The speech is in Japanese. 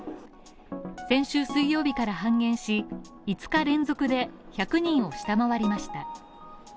前週水曜日から半減し、５日連続で１００人を下回りました。